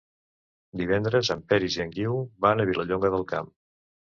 Divendres en Peris i en Guiu van a Vilallonga del Camp.